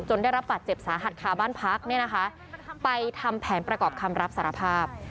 จนได้รับบัตรเจ็บสาหัดขาบ้านพักไปทำแผนประกอบคำรับสารภาพ